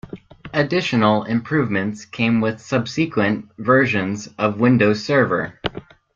Additional improvements came with subsequent versions of Windows Server.